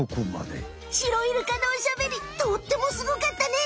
シロイルカのおしゃべりとってもすごかったね！